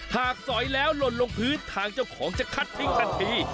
สอยแล้วหล่นลงพื้นทางเจ้าของจะคัดทิ้งทันที